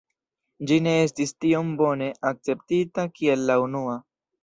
Ĝi ne estis tiom bone akceptita kiel la unua.